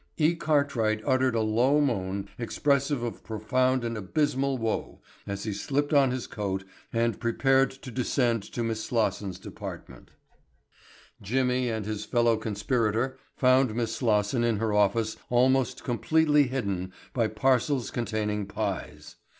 E. Cartwright uttered a low moan expressive of profound and abysmal woe as he slipped on his coat and prepared to descend to Miss Slosson's department. Jimmy and his fellow conspirator found Miss Slosson in her office almost completely hidden by parcels containing pies.